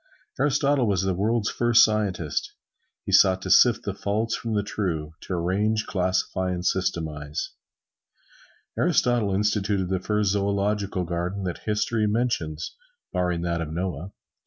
Aristotle was the world's first scientist. He sought to sift the false from the true to arrange, classify and systematize. Aristotle instituted the first zoological garden that history mentions, barring that of Noah.